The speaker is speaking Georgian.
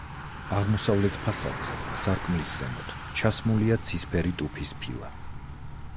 აღმოსავლეთ ფასადზე სარკმლის ზემოთ ჩასმულია ცისფერი ტუფის ფილა.